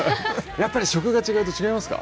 やっぱり食が違うと、違いますか？